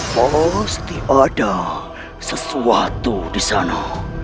pasti ada sesuatu di sana